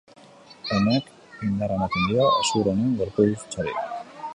Honek, indarra ematen dio hezur honen gorputzari.